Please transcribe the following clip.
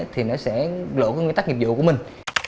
thì nó sẽ lộ cái nguyên tắc nghiệp vụ của mình